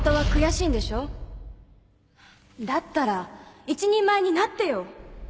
だったら一人前になってよ